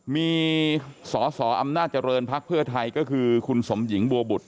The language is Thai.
มีสอสออำนาจเจริญภักดิ์เพื่อไทยก็คือคุณสมหญิงบัวบุตร